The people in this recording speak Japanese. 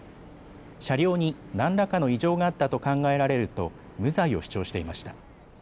車両に何らかの異常があったと考えられると無罪を主張していました。